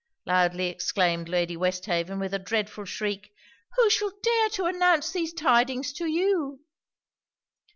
loudly exclaimed Lady Westhaven, with a dreadful shriek 'Who shall dare to announce these tidings to you?'